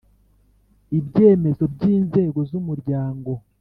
ibyemezo by inzego z Umuryango